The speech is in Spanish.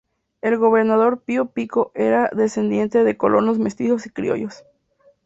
El gobernador Pío Pico era descendiente de colonos mestizos y criollos.